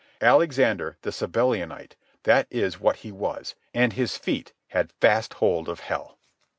Alexander the Sabellianite, that is what he was, and his feet had fast hold of hell.